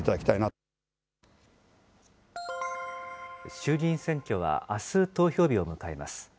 衆議院選挙はあす投票日を迎えます。